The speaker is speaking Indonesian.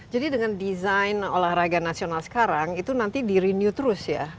jadi dengan design olahraga nasional sekarang itu nanti di renew terus ya